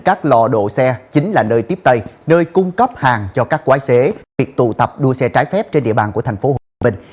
các lò độ xe chính là nơi tiếp tay nơi cung cấp hàng cho các quái xế việc tụ tập đua xe trái phép trên địa bàn của thành phố hồ chí minh